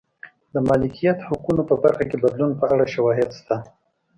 د مالکیت حقونو په برخه کې بدلون په اړه شواهد شته.